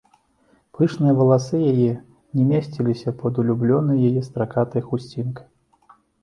Пышныя валасы яе не месціліся пад улюбёнай яе стракатай хусцінкай.